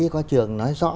có trường nói rõ